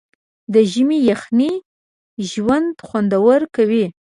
د ژمي یخنۍ ژوند خوندور کوي.